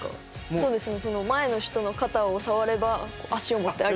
そうですね